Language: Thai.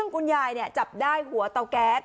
คุณยายจับได้หัวเตาแก๊ส